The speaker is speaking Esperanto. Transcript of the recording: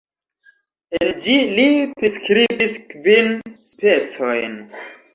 En ĝi li priskribis kvin "specojn".